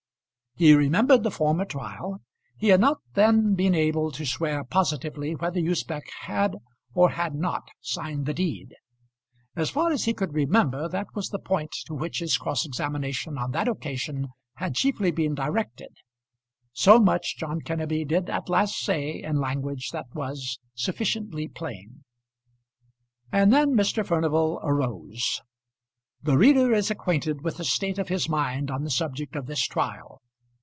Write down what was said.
He remembered the former trial. He had not then been able to swear positively whether Usbech had or had not signed the deed. As far as he could remember, that was the point to which his cross examination on that occasion had chiefly been directed. So much John Kenneby did at last say in language that was sufficiently plain. And then Mr. Furnival arose. The reader is acquainted with the state of his mind on the subject of this trial.